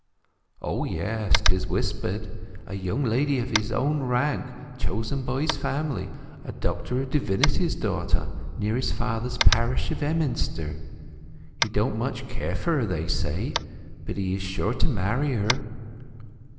"O yes—'tis whispered; a young lady of his own rank, chosen by his family; a Doctor of Divinity's daughter near his father's parish of Emminster; he don't much care for her, they say. But he is sure to marry her."